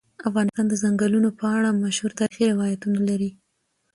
افغانستان د ځنګلونه په اړه مشهور تاریخی روایتونه لري.